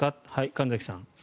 神崎さん。